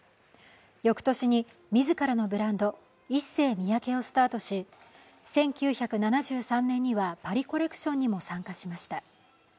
翌年に自らのブランドイッセイミヤケをスタートし１９７３年にはパリコレクションにも参加しました。